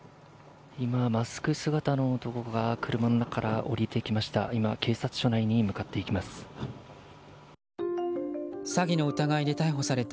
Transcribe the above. マスク姿の男が車から降りてきました。